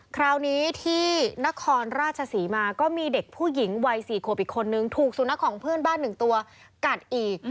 คราวนี้ที่นครราชศรีมาก็มีเด็กผู้หญิงวัย๔ขวบอีกคนนึงถูกสุนัขของเพื่อนบ้าน๑ตัวกัดอีก